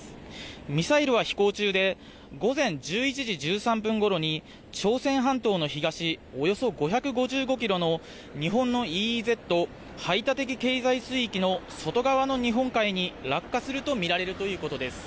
ミサイルは飛行中で午前１１時１３分ごろに朝鮮半島の東およそ５５５キロの日本のＥＥＺ・排他的経済水域の外側の日本海に落下すると見られるということです。